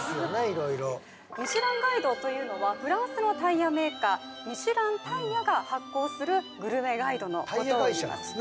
色々ミシュランガイドというのはフランスのタイヤメーカーミシュランタイヤが発行するグルメガイドのことをいいます